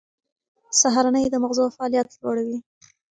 سهارنۍ د مغزو فعالیت لوړوي.